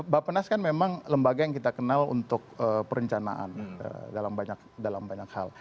bapak nas kan memang lembaga yang kita kenal untuk perencanaan dalam banyak hal